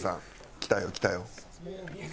来たよ来たよ。